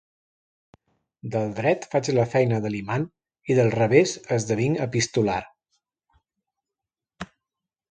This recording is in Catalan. Del dret faig la feina de l'imant i del revés esdevinc epistolar.